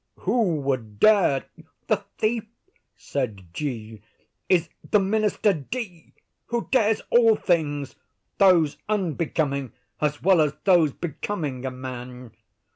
Who would dare—" "The thief," said G., "is the Minister D——, who dares all things, those unbecoming as well as those becoming a man.